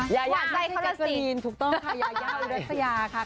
ยายาใส่แก๊สเตอรีนถูกต้องค่ะยายาอุรัสยาค่ะ